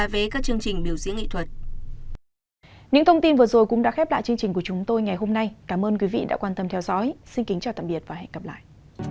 và giảm giá vé các chương trình biểu diễn nghệ thuật